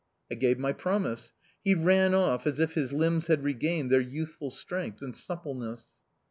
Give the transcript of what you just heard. I gave my promise. He ran off as if his limbs had regained their youthful strength and suppleness.